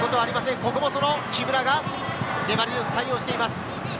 ここもその木村が粘りよく対応しています。